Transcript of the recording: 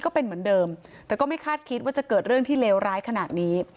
ก็เป็นเหมือนเดิมแต่ก็ไม่คาดคิดว่าจะเกิดเรื่องที่เลวร้ายขนาดนี้